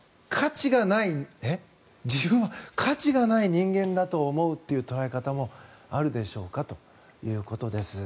自分は価値がない人間だと思うという捉え方もあるでしょうかということです。